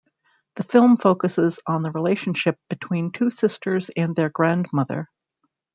The film focuses on the relationship between two sisters and their grandmother.